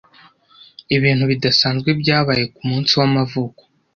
Ibintu bidasanzwe byabaye kumunsi wamavuko.